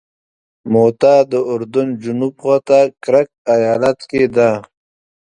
موته د اردن جنوب خواته کرک ایالت کې ده.